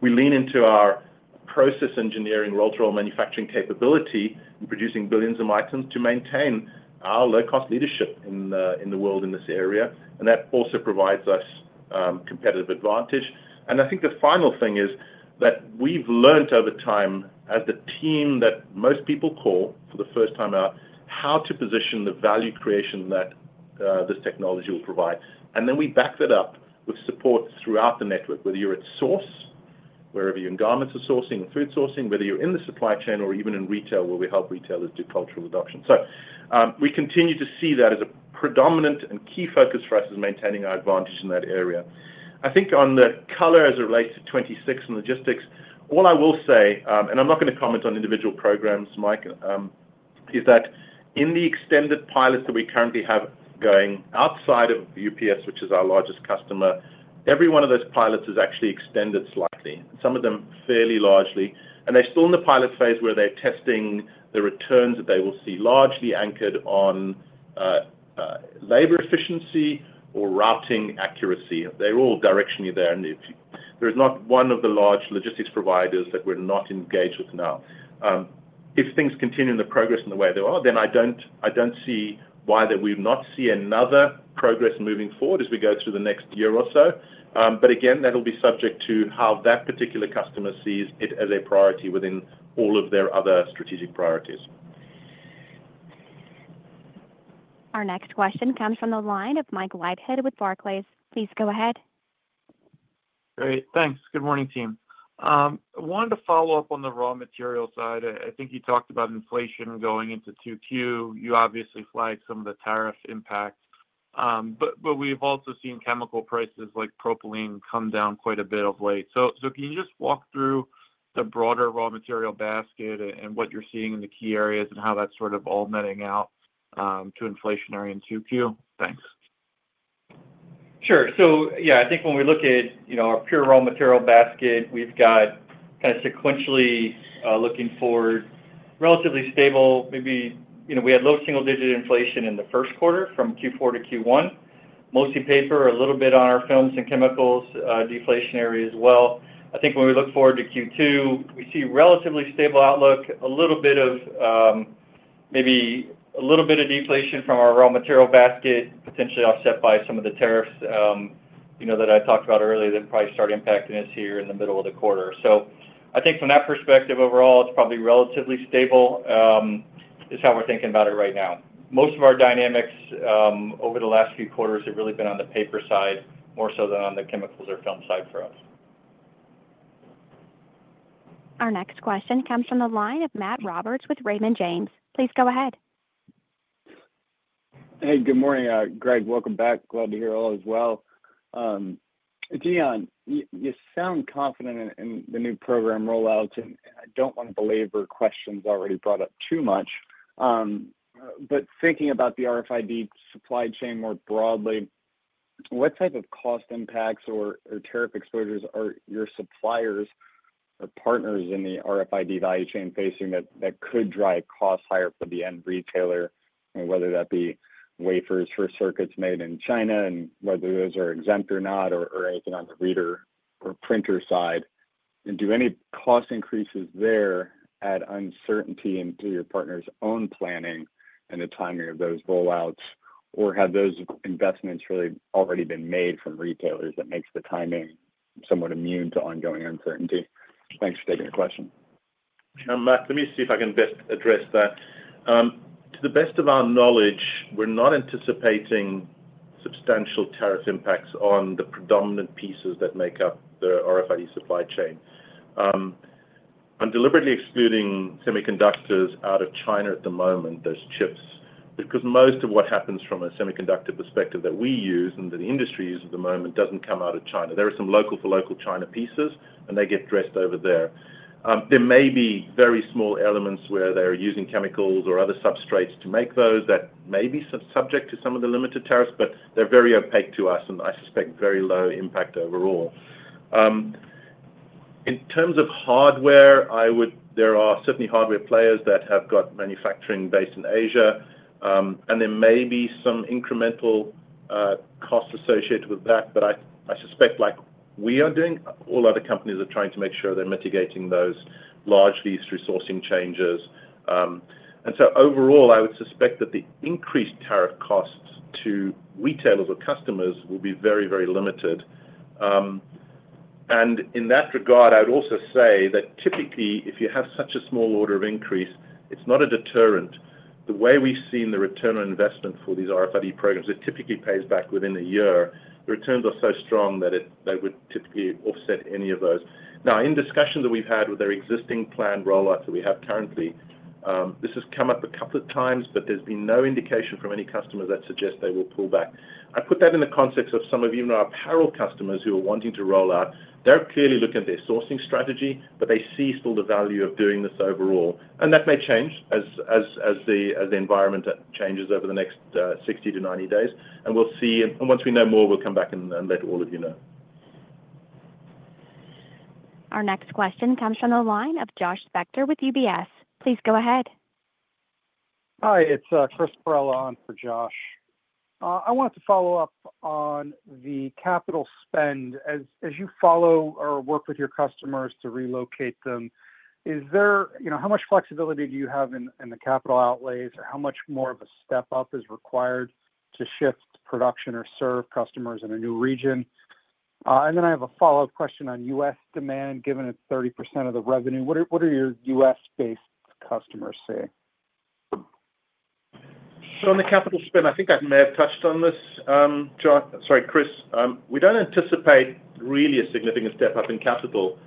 We lean into our process engineering role to roll manufacturing capability, producing billions of items to maintain our low cost leadership in the world in this area. That also provides us with competitive advantage. I think the final thing is that we've learned over time as the team that most people call for the first time out, how to position the value creation that this technology will provide. We back that up with support throughout the network, whether you're at source, whether you're in garments of sourcing, food sourcing, whether you're in the supply chain or even in retail where we help retailers do cultural adoption. We continue to see that as a predominant and key focus for us is maintaining our advantage in that area. I think on the color as it relates to 26 and logistics. All I will say, and I'm not going to comment on individual programs, Mike, is that in the extended pilot that we currently have going outside of UPS, which is our largest customer, every one of those pilots is actually extended slightly, some of them fairly largely, and they're still in the pilot phase where they're testing the returns that they will see largely anchored on labor efficiency or routing accuracy. They're all directionally there and there is not one of the large logistics providers that we're not engaged with now. If things continue to progress in the way they are, I don't see why we've not seen another progress moving forward as we go through the next year or so. Again, that will be subject to how that particular customer sees it as a priority within all of their other strategic priorities. Our next question comes from the line of Mike Leithead with Barclays. Please go ahead. Great, thanks. Good morning team. Wanted to follow up on the raw material side. I think you talked about inflation going into 2Q. You obviously flagged some of the tariff impact, but we've also seen chemical prices like propylene come down quite a bit of late. Can you just walk through the broader raw material basket and what you're seeing in the key areas and how that's sort of all netting out to inflationary and 2Q. Thanks. Sure. Yeah, I think when we look at our pure raw material basket, we've got kind of sequentially looking forward, relatively stable, maybe we had low single-digit inflation in the first quarter from Q4 to Q1, mostly paper, a little bit on our films and chemicals, deflationary as well. I think when we look forward to Q2 we see relatively stable outlook, a little bit of, maybe a little bit of deflation from our raw material basket potentially offset by some of the tariffs, you know, that I talked about earlier, that price start impacting us here in the middle of the quarter. I think from that perspective overall it's probably relatively stable is how we're thinking about it right now. Most of our dynamics over the last few quarters have really been on the paper side, more so than on the chemicals or film side for us. Our next question comes from the line of Matt Roberts with Raymond James. Please go ahead. Hey, good morning Greg. Welcome back. Glad to hear all is well. Deon, you sound confident in the new program rollout and I don't want to belabor questions already brought up too much. Thinking about the RFID supply chain more broadly, what type of cost impacts or tariff exposures are your suppliers or partners in the RFID value chain facing that could drive costs higher for the end retailer, whether that be wafers for circuits made in China and whether those are exempt or not or anything on the reader or printer side. Do any cost increases there add uncertainty into your partners' own planning and the timing of those rollouts or have those investments really already been made from retailers? That makes the timing somewhat immune to ongoing uncertainty. Thanks for taking the question. Let me see if I can best address that. To the best of our knowledge, we're not anticipating substantial tariff impacts on the predominant pieces that make up the RFID supply chain. I'm deliberately excluding semiconductors out of China at the moment, those chips because most of what happens from a semiconductor perspective that we use and that industry use at the moment doesn't come out of China. There are some local for local China pieces and they get dressed over there. There may be very small elements where they are using chemicals or other substrates to make those that may be subject to some of the limited tariffs, but they're very opaque to us and I suspect very low impact overall. In terms of hardware, there are certainly hardware players that have got manufacturing based in Asia and there may be some incremental costs associated with that. I suspect like we are doing, all other companies are trying to make sure they're mitigating those largely through sourcing changes. Overall, I would suspect that the increased tariff costs to retailers or customers will be very, very limited. In that regard, I'd also say that typically if you have such a small order of increase, it's not a deterrent. The way we've seen the return on investment for these RFID programs, it typically pays back within a year. The returns are so strong that they would typically offset any of those. Now, in discussion that we've had with their existing plan rollout, currently this has come up a couple of times, but there's been no indication from any customers that suggest they will pull back. I put that in the context of some of even our apparel customers who are wanting to roll out. They're clearly looking at their sourcing strategy, but they see still the value of doing this overall. That may change as the environment changes over the next 60 to 90 days. We'll see and once we know more, we'll come back and let all of you know. Our next question comes from the line of Josh Spector with UBS. Please go ahead. Hi, it's Chris Perrella on for Josh. I want to follow up on the capital spend as you follow or work with your customers to relocate them. Is there, you know, how much flexibility do you have in the capital outlays or how much more of a step up is required to shift production or serve customers in a new region? I have a follow up question on U.S. demand. Given it's 30% of the revenue, what are your U.S. based customers see. On the capital spend? I think I may have touched on this. Sorry Chris, we don't anticipate really a significant step up in capital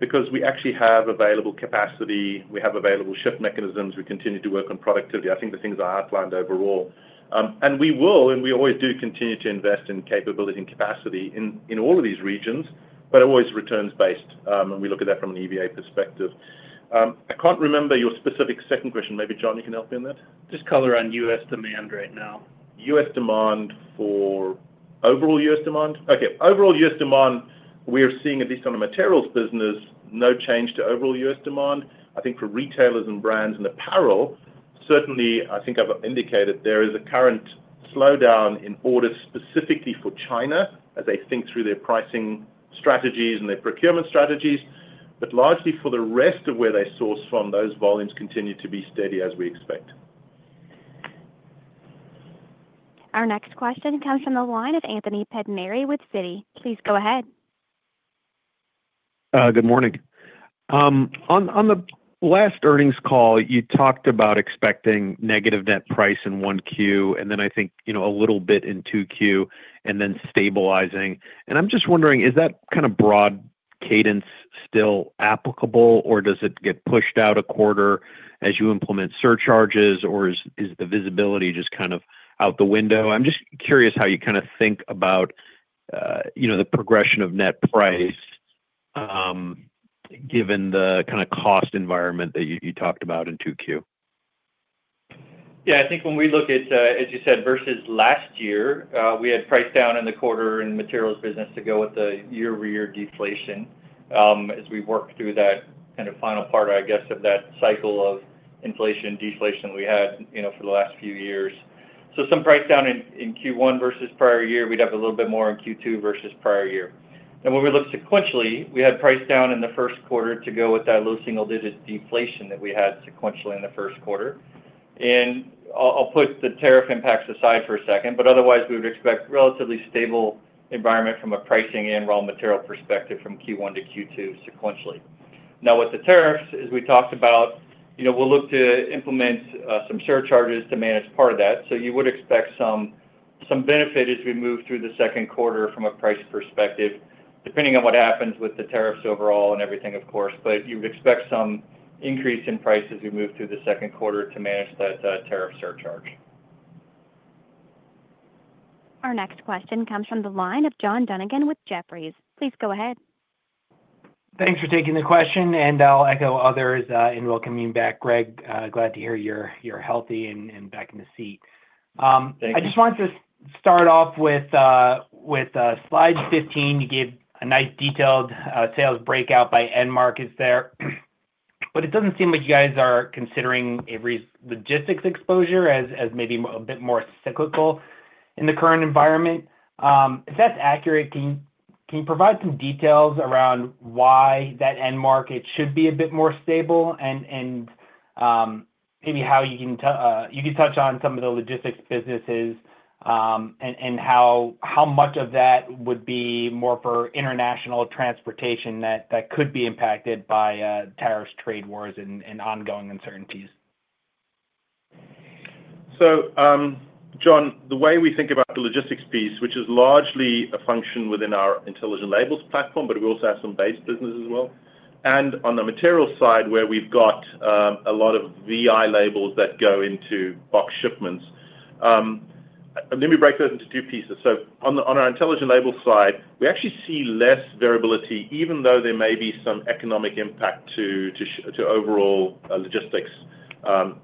because we actually have available capacity, we have available shift mechanism, we continue to work on productivity. I think the things I outlined overall, and we will and we always do continue to invest in capability and capacity in all of these regions, but always returns based. We look at that from an EVA perspective. I can't remember your specific second question. Maybe John, you can help in that. Just color on U.S. demand right now. U.S. demand for overall U.S. demand. Okay. Overall U.S. demand we are seeing at least on the Materials business, no change to overall U.S. demand I think for retailers and brands and apparel certainly. I think I've indicated there is a current slowdown in orders specifically for China as they think through their pricing strategies and their procurement strategies, but largely for the rest of where they source from. Those volumes continue to be steady as we expect. Our next question comes from the line of Anthony Pettinari with Citi. Please go ahead. Good morning. On the last earnings call you talked about expecting negative net price in 1Q and then I think, you know, a little bit in 2Q and then stabilizing. I'm just wondering is that kind of broad cadence still applicable or does it get pushed out a quarter as you implement surcharges or is the visibility just kind of out the window? I'm just curious how you kind of think about, you know, the progression of net price given the kind of cost environment that you talked about in 2Q. Yeah, I think when we look at, as you said, versus last year we had price down in the quarter and Materials business to go with the year over year deflation. As we work through that kind of final part, I guess of that cycle of inflation deflation we had for the last few years. Some price down in Q1 versus prior year, we'd have a little bit more in Q2 versus prior year. When we look sequentially, we had price down in the first quarter to go with that low single-digit deflation that we had sequentially in the first quarter. I'll put the tariff impacts aside for a second, but otherwise we would expect a relatively stable environment from a pricing and raw material perspective from Q1 to Q2 sequentially. Now with the tariffs, as we talked about, you know, we'll look to implement some surcharges to manage part of that. You would expect some benefit as we move through the second quarter from a price perspective, depending on what happens with the tariffs overall and everything, of course, but you would expect some increase in price as we move through the second quarter to manage that tariff surcharge. Our next question comes from the line of John Dunigan with Jefferies. Please go ahead. Thanks for taking the question and I'll echo others in welcoming back. Greg, glad to hear you're healthy and back in the seat. I just wanted to start off with slide 15. You gave a nice detailed sales breakout by end markets there, but it doesn't seem like you guys are considering Avery's logistics exposure as maybe a bit more cyclical in the current environment, if that's accurate. Can you provide some details around why that end market should be a bit more stable and maybe how you can. You can touch on some of the logistics businesses and how much of that would be more for international transportation that could be impacted by tariffs, trade wars and ongoing uncertainties. John, the way we think about the logistics piece, which is largely a function within our Intelligent Labels platform, but we also have some base business as well. On the material side, where we've got a lot of VI labels that go into box shipments. Let me break that into two pieces. On our Intelligent Labels side, we actually see less variability, even though there may be some economic impact to overall logistics.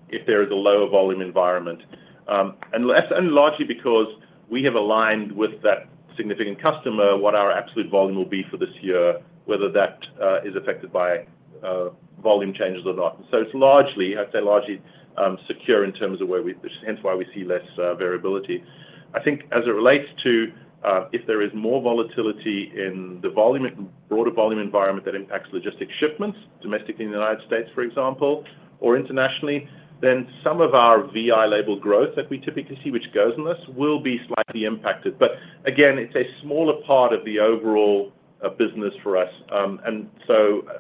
If there is a lower volume environment, and largely because we have aligned with that significant customer, what our absolute volume will be for this year, whether that is affected by volume changes or not. It's largely, I'd say, largely secure in terms of where we are. Hence why we see less variability. I think as it relates to if there is more volatility in the volume, broader volume environment that impacts logistics shipments domestically in the United States, for example, or internationally, some of our VI label growth that we typically see, which goes on, this will be slightly impacted. Again, it's a smaller part of the overall business for us and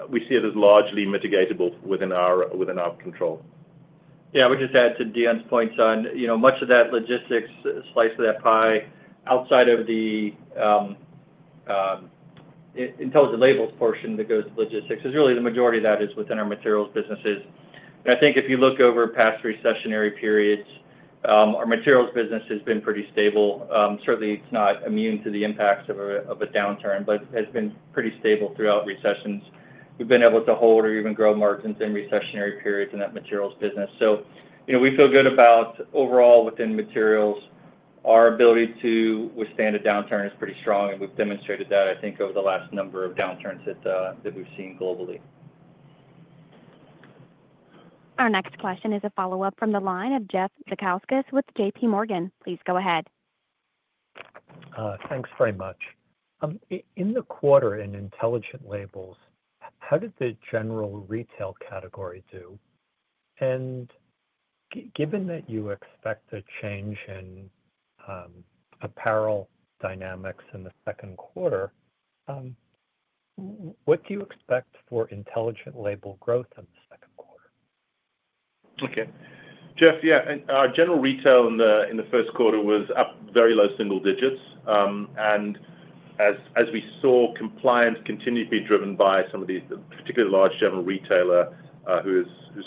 we see it as largely mitigatable within our control. Yeah, just to add to Deon's points on, you know, much of that logistics stuff. Slice of that pie, outside of the Intelligent Labels portion that goes to logistics, is really the majority of that is within our Materials businesses. I think if you look over past recessionary periods, our Materials business has been pretty stable. Certainly it's not immune to the impacts of a downturn, but has been pretty stable throughout recessions. We've been able to hold or even grow margins in recessionary periods in that Materials business. You know, we feel good about overall within Materials, our ability to withstand a downturn is pretty strong and we've demonstrated that, I think, over the last number of downturns that we've seen globally. Our next question is a follow up from the line of Jeff Zekauskas with JPMorgan. Please go ahead. Thanks very much. In the quarter in Intelligent Labels, how did the general retail category do and given that you expect a change in apparel dynamics in the second quarter, what do you expect for Intelligent Label growth in the second quarter? Okay, Jeff. Yeah, our general retail in the first quarter was up very low single digits as we saw compliance continue to be driven by some of these particularly large general retailers who are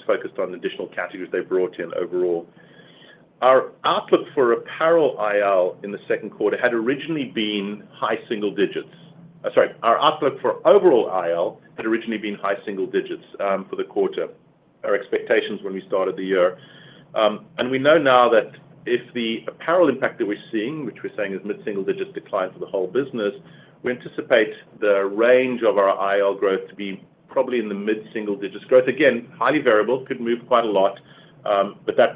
focused on additional categories they brought in. Overall, our outlook for apparel IL in the second quarter had originally been high single digits. Sorry, our outlook for overall IL had originally been high-single digits for the quarter. Our expectations when we started the year, and we know now that with the apparel impact that we're seeing, which we're saying is mid-single digits decline for the whole business, we anticipate the range of our IL growth to be probably in the mid-single digits. Growth is again highly variable, could move quite a lot. That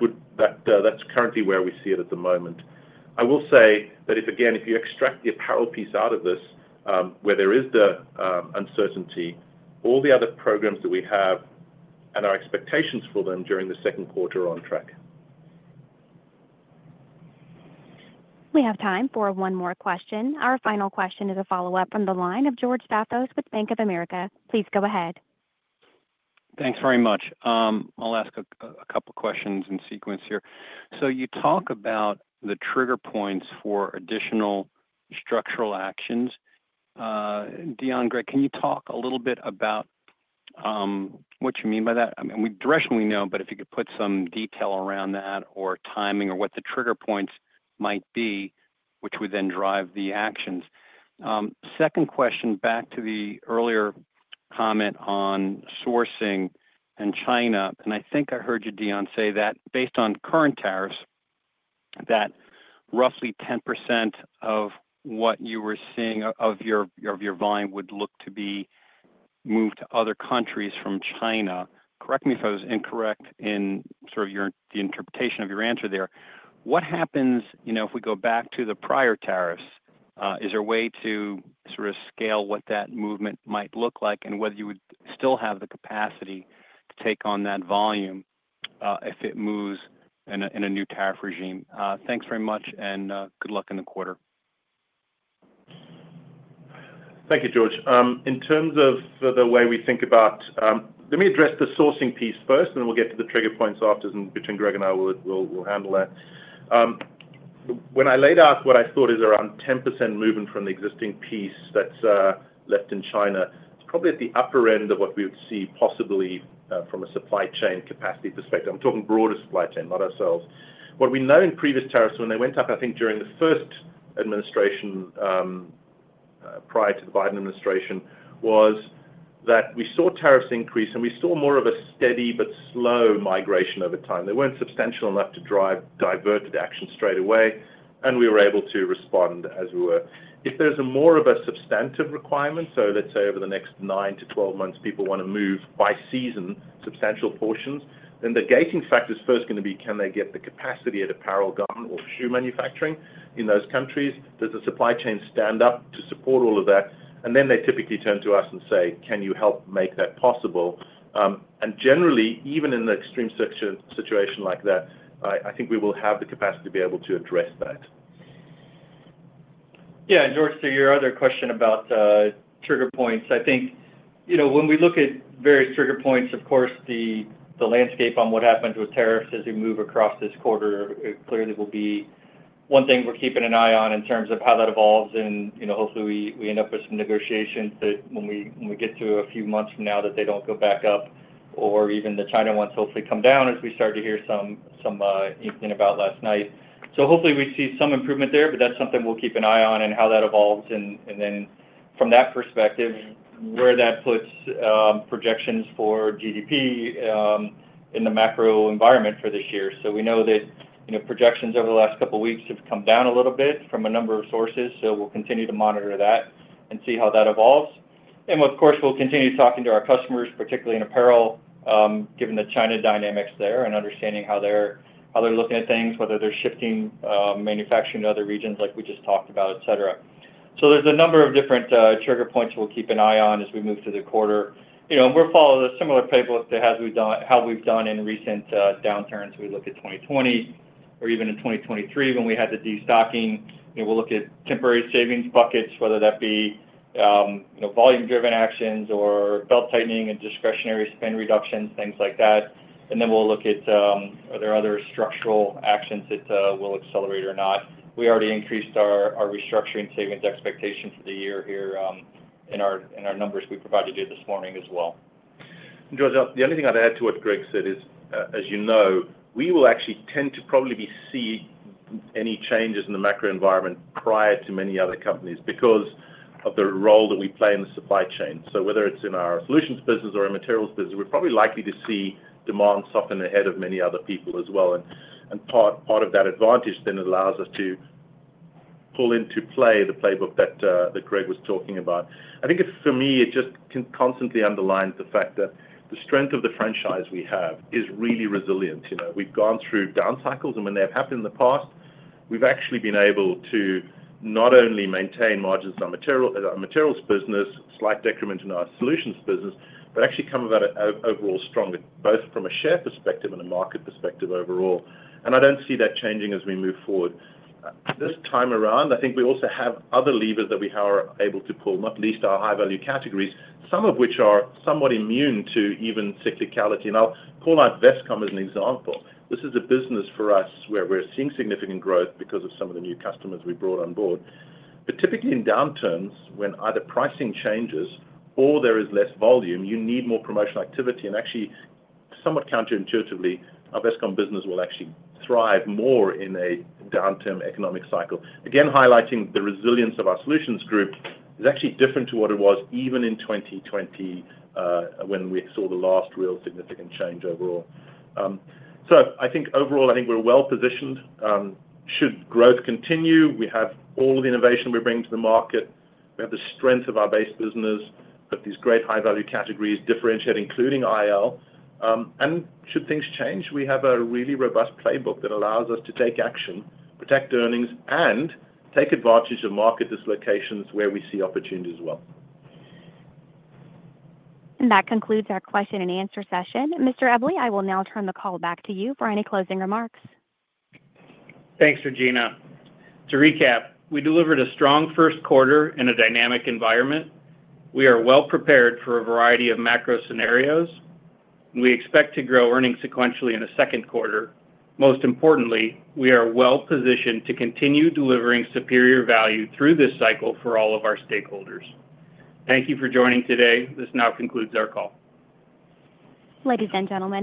is currently where we see it at the moment. I will say that if, again, if you extract the apparel piece out of this, where there is the uncertainty, all the other programs that we have and our expectations for them during the second quarter are on track. We have time for one more question. Our final question is a follow up from the line of George Staphos with Bank of America. Please go ahead. Thanks very much. I'll ask a couple questions in sequence here. You talk about the trigger points for additional structural actions. Deon, Greg, can you talk a little bit about what you mean by that direction? We know, but if you could put some detail around that or timing or what the trigger points might be which would then drive the actions. Second question, back to the earlier comment on sourcing in China and I think I heard you, Deon, say that based on current tariffs that roughly 10% of what you were seeing of your volume would look to be move to other countries from China. Correct me if I was incorrect in sort of your interpretation of your answer there. What happens, you know, if we go back to the prior tariffs? Is there a way to sort of scale what that movement might look like and whether you would still have the capacity to take on that volume if it moves in a new tariff regime? Thanks very much and good luck in the quarter. Thank you, George. In terms of the way we think about, let me address the sourcing piece first and then we'll get to the trigger points after between. Greg and I will handle that. When I laid out what I thought is around 10% movement from the existing piece that's left in China, it's probably at the upper end of what we would see, possibly from a supply chain capacity perspective. I'm talking broader supply chain, not ourselves. What we know in previous tariffs, when they went up, I think during the first administration, prior to the Biden administration, was that we saw tariffs increase and we saw more of a steady but slow migration over time. They weren't substantial enough to drive diverted action straight away. We were able to respond as we were if there's more of a substantive requirement. Let's say over the next nine to 12 months, people want to move by season, substantial portions, then the gating factor is first going to be can they get the capacity at apparel, garment or shoe manufacturing in those countries. Does the supply chain stand up to support all of that? They typically turn to us and say, can you help make that possible? Generally, even in the extreme situation like that, I think we will have the capacity to be able to address that. Yeah. George, to your other question about trigger points, I think, you know, when we look at various trigger points, of course the landscape on what happens with tariffs as we move across this quarter clearly will be one thing we're keeping an eye on in terms of how that evolves. You know, hopefully we end up with some negotiations that when we get to a few months from now, that they don't go back up or even the China ones hopefully come down as we start to hear some evening about last night. Hopefully we see some improvement there. That's something we'll keep an eye on and how that evolves. Then from that perspective, where that puts projections for GDP in the macro environment for this year. We know that, you know, projections over the last couple weeks have come down a little bit from a number of sources. We will continue to monitor that and see how that evolves. Of course, we will continue talking to our customers, particularly in apparel, given the China dynamics there and understanding how they are looking at things, whether they are shifting manufacturing to other regions like we just talked about, et cetera. There are a number of different trigger points we will keep an eye on as we move through the quarter. You know, we will follow the similar playbook to how we have done in recent downturns. We look at 2020 or even in 2023 when we had the destocking and we will look at temporary savings buckets, whether that be volume driven actions or belt tightening and discretionary spend reductions, things like that. We will look at are there other structural actions that will accelerate or not. We already increased our restructuring savings expectation for the year here in our numbers we provided you this morning as well. The only thing I'd add to what Greg said is as you know, we will actually tend to probably be seeing any changes in the macro environment prior to many other companies because of the role that we play in the system supply chain. Whether it's in our Solutions business or Materials business, we're probably likely to see demand soften ahead of many other people as well. Part of that advantage then allows us to pull into play the playbook that Greg was talking about. I think for me it just constantly underlines the fact that the strength of the franchise we have is really resilient. We've gone through down cycles and when they've happened in the past, we've actually been able to not only maintain margins, our Materials business, slight decrement in our Solutions business, but actually come about overall stronger, both from a share perspective and a market perspective overall. I don't see that changing as we move forward this time around. I think we also have other levers that we are able to pull, not least our high value categories, some of which are somewhat immune to even cyclicality. I'll call out Vestcom as an example. This is a business for us where we're seeing significant growth because of some of the new customers we brought on board. Typically in downturns, when either pricing changes or there is less volume, you need more promotional activity. Actually, somewhat counterintuitively, our Vestcom business will actually thrive more in a downturn economic cycle. Again, highlighting the resilience of our Solutions Group is actually different to what it was even in 2020 when we saw the last real significant change overall. I think overall I think we're well positioned should growth continue. We have all of the innovation we bring to the market, we have the strength of our base business. These great high value categories differentiate, including IL, and should things change, we have a really robust playbook that allows us to take action, protect earnings, and take advantage of market dislocations where we see opportunities as well. That concludes our question and answer session. Mr. Eble, I will now turn the call back to you for any closing remarks. Thanks, Regina. To recap, we delivered a strong first quarter in a dynamic environment. We are well prepared for a variety of macro scenarios. We expect to grow earnings sequentially in the second quarter. Most importantly, we are well positioned to continue delivering superior value through this cycle for all of our stakeholders. Thank you for joining today. This now concludes our call. Ladies and gentlemen.